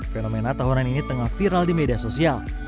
fenomena tahunan ini tengah viral di media sosial